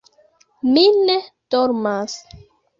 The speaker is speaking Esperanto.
Mi ne dormas.